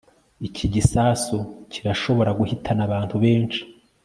Iki gisasu kirashobora guhitana abantu benshi